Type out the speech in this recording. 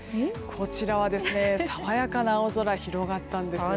こちらは爽やかな青空が広がったんです。